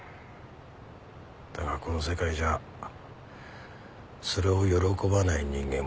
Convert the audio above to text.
だがこの世界じゃそれを喜ばない人間もいる。